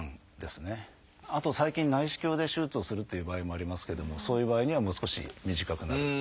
あと最近内視鏡で手術をするっていう場合もありますけれどもそういう場合にはもう少し短くなると。